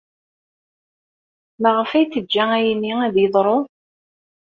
Maɣef ay teǧǧa ayenni ad d-yeḍru?